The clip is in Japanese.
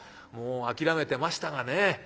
もう諦めてましたがね